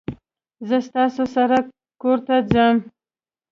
زه ستاسو سره کورته ځم